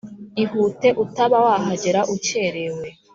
ihute utaba wahagera ukerewe